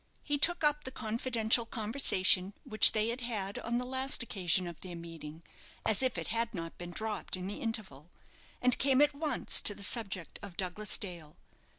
He took up the confidential conversation which they had had on the last occasion of their meeting, as if it had not been dropped in the interval, and came at once to the subject of Douglas Dale.